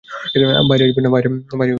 বাইরে আসবেন না!